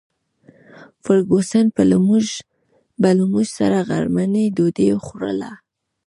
فرګوسن به له موږ سره غرمنۍ ډوډۍ خوړله.